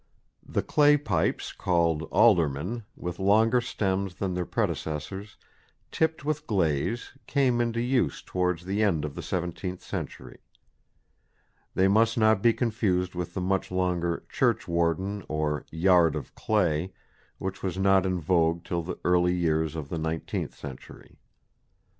The clay pipes called "aldermen," with longer stems than their predecessors, tipped with glaze, came into use towards the end of the seventeenth century. They must not be confused with the much longer "churchwarden" or "yard of clay" which was not in vogue till the early years of the nineteenth century.